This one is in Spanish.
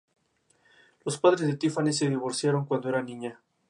Los padres de Tiffany se divorciaron cuando era niña.